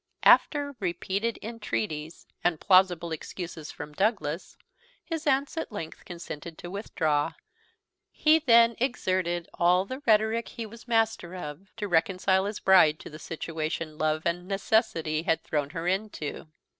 After repeated entreaties and plausible excuses from Douglas, his aunts at length consented to withdraw, and he then exerted all the rhetoric he was master of to reconcile his bride to the situation love and necessity had thrown her into.